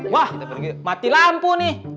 wah mati lampu nih